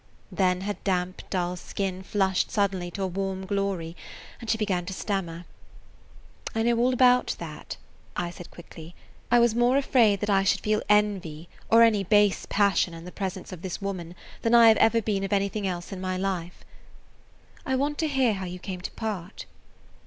Then her damp, dull skin flushed suddenly to a warm glory, and she began to stammer. "I know all about that," I said quickly. I was more afraid that I should feel envy or any base passion in the presence of this woman than I have ever been of anything else in my life. "I want to hear how you came to part."